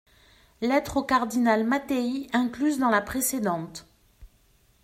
Lettre au cardinal Mathei incluse dans la précédente.